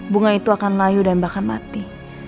bunga itu akan layu dan bahkan mati